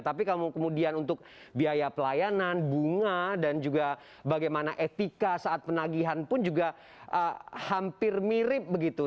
tapi kamu kemudian untuk biaya pelayanan bunga dan juga bagaimana etika saat penagihan pun juga hampir mirip begitu